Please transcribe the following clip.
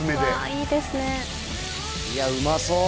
いやうまそう